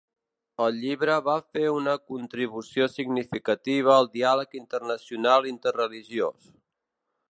El llibre va fer una contribució significativa al diàleg internacional interreligiós.